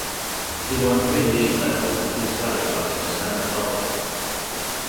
He won three League titles and two Scottish Cups in his time at Celtic.